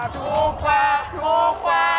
ถูกกว่า